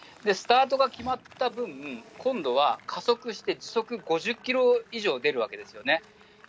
スタートが決まった分、今度は、加速して、今度は時速５０キロ以上出るわけですよね。